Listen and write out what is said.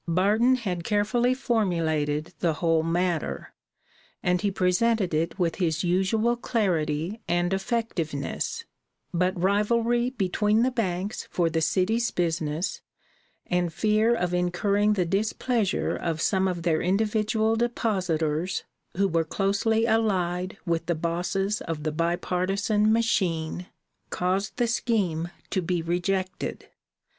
Barton had carefully formulated the whole matter, and he presented it with his usual clarity and effectiveness; but rivalry between the banks for the city's business, and fear of incurring the displeasure of some of their individual depositors who were closely allied with the bosses of the bi partisan machine, caused the scheme to be rejected.